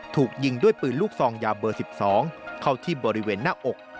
ถูกยิงด้วยปืนลูกซองยาเบอร์๑๒เข้าที่บริเวณหน้าอก